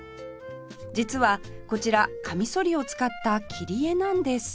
実はこちらかみそりを使った切り絵なんです